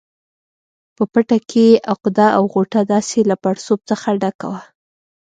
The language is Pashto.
په پټه کې یې عقده او غوټه داسې له پړسوب څخه ډکه وه.